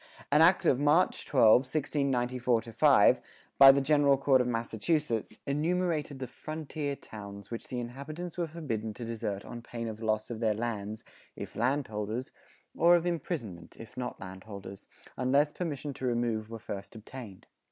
An act of March 12, 1694 5, by the General Court of Massachusetts enumerated the "Frontier Towns" which the inhabitants were forbidden to desert on pain of loss of their lands (if landholders) or of imprisonment (if not landholders), unless permission to remove were first obtained.